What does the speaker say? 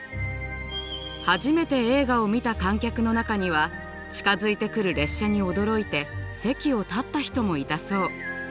初めて映画を見た観客の中には近づいてくる列車に驚いて席を立った人もいたそう。